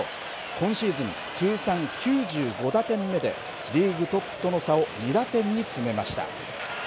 今シーズン通算９５打点目でリーグトップとの差を２打点に詰めました。